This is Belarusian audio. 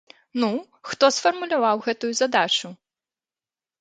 Ну, хто сфармуляваў гэтую задачу?!